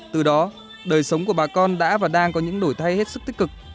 từ đó đời sống của bà con đã và đang có những đổi thay hết sức tích cực